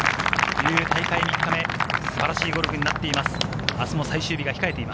大会３日目、素晴らしいゴルフになっています。